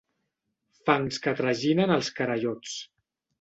Fangs que traginen els carallots.